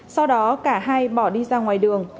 sau đó cả hai bỏ đi ra ngoài đường